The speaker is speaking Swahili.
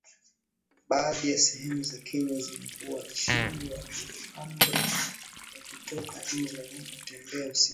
Baadhi ya sehemu za Kenya zimekuwa chini ya amri ya kutotoka nje na kutembea usiku